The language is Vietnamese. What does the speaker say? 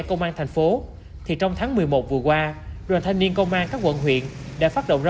công an thành phố thì trong tháng một mươi một vừa qua đoàn thanh niên công an các quận huyện đã phát động ra